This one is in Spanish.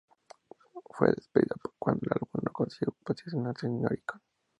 Fue despedida cuando el álbum no consiguió posicionarse en Oricon.